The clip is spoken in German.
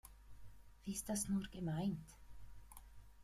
Wie ist das nur gemeint?